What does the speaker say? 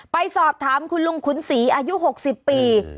ไปสอบถามคุณลุงขุนศรีอายุ๖๐ปี